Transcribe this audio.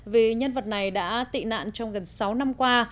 vì nhân vật này đã tị nạn trong gần sáu năm qua